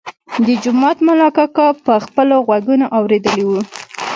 د جومات ملا کاکا په خپلو غوږونو اورېدلی و.